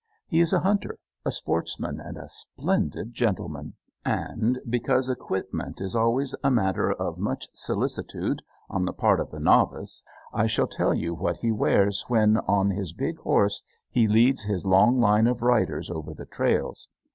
He is a hunter, a sportsman, and a splendid gentleman. And, because equipment is always a matter of much solicitude on the part of the novice, I shall tell you what he wears when, on his big horse, he leads his long line of riders over the trails.